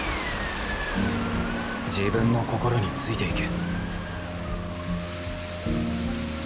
自分の心についていけ。